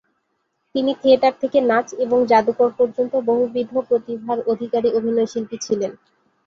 তিনি থিয়েটার থেকে নাচ এবং যাদুকর পর্যন্ত বহুবিধ প্রতিভার অধিকারী অভিনয়শিল্পী ছিলেন।